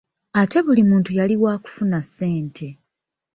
Ate buli muntu yali waakufuna ssente.